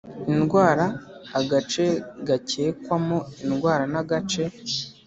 Indwara agace gakekwamo indwara n agace